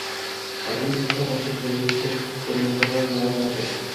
Hokimning qishloq va suv xo'jaligi bo'yicha o'rinbosari lavozimi ochiq.